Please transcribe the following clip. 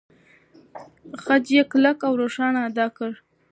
خج يې کلک او روښانه ادا کېږي.